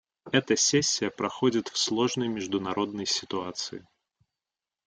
Эта сессия проходит в сложной международной ситуации.